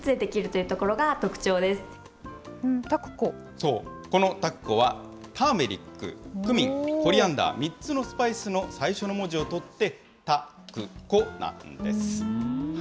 そう、このタクコはターメリック、クミン、コリアンダー、３つのスパイスの最初の文字を取って、タクコなんです。